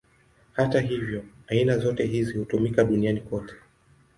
Hata hivyo, aina zote hizi hutumika duniani kote.